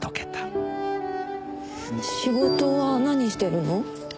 仕事は何してるの？